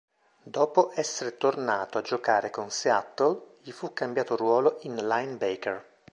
Dopo essere tornato a giocare con Seattle gli fu cambiato ruolo in linebacker.